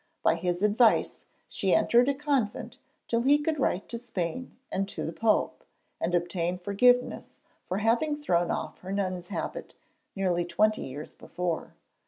By his advice she entered a convent till he could write to Spain and to the Pope, and obtain forgiveness for having thrown off her nun's habit, nearly twenty years before.